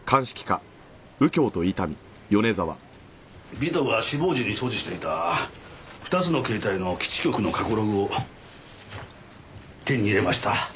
尾藤が死亡時に所持していた２つの携帯の基地局の過去ログを手に入れました。